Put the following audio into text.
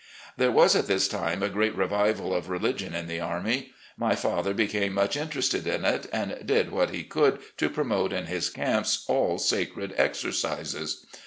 There was at this time a great revival of religion in the army. My father became much interested in it, and did what he could to promote in his camps all sacred exer cises.